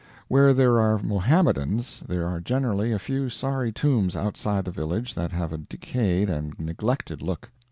Where there are Mohammedans there are generally a few sorry tombs outside the village that have a decayed and neglected look.